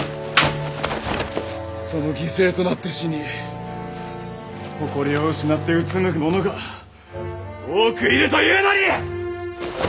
その犠牲となって死に誇りを失ってうつむく者が多くいるというのに！